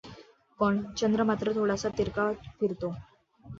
पण चंद्र मात्र थोडासा तिरका फिरतो.